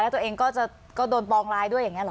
ตัวเองก็จะโดนปองร้ายด้วยอย่างนี้หรอ